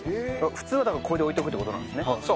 普通はだからこれで置いておくって事なんですね。